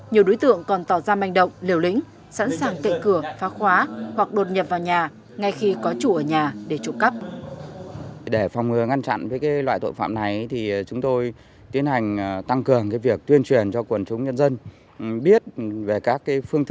nhiều đối tượng còn tỏ ra manh động liều lĩnh sẵn sàng tệ cửa phá khóa hoặc đột nhập vào nhà ngay khi có chủ ở nhà để trộm cắp